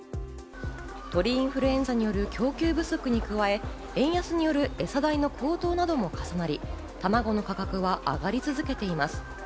鳥インフルエンザによる供給不足に加え、円安による餌代の高騰なども重なり、たまごの価格は上がり続けています。